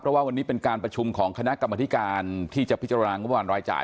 เพราะว่าวันนี้เป็นการประชุมของคณะกรรมธิการที่จะพิจารณางบประมาณรายจ่าย